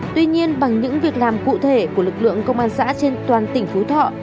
tuy nhiên bằng những việc làm cụ thể của lực lượng công an xã trên toàn tỉnh phú thọ